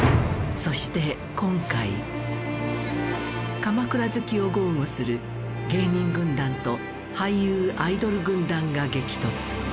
そして今回鎌倉好きを豪語する芸人軍団と俳優・アイドル軍団が激突。